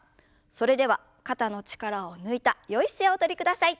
それでは肩の力を抜いたよい姿勢をおとりください。